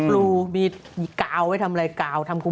รูมีกาวไว้ทำอะไรกาวทำคุณ